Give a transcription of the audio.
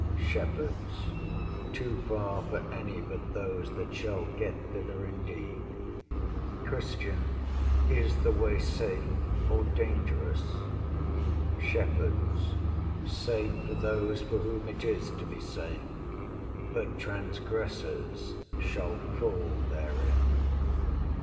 Shepherds Too far for any but those that shall get thither indeed. Christian Is the way safe or dangerous? Shepherds Safe for those for whom it is to be safe, "but transgressors shall fall therein."